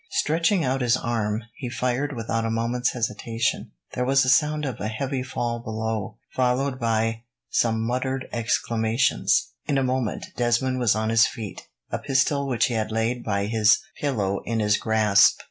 Stretching out his arm, he fired without a moment's hesitation. There was a sound of a heavy fall below, followed by some muttered exclamations. In a moment, Desmond was on his feet, a pistol which he had laid by his pillow in his grasp.